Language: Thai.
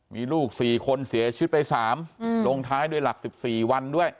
มีลูก๔คนเสียชีวิตไป๓ลงท้ายด้วยหลัก๑๔วันด้วย